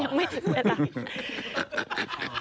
ยังไม่ถึงเวลา